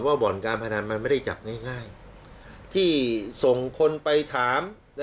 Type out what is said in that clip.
บ่อนการพนันมันไม่ได้จับง่ายที่ส่งคนไปถาม